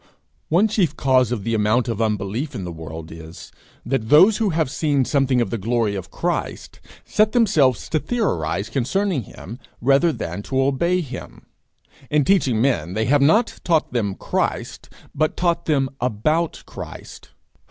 One chief cause of the amount of unbelief in the world is, that those who have seen something of the glory of Christ, set themselves to theorize concerning him rather than to obey him. In teaching men, they have not taught them Christ, but taught them about Christ.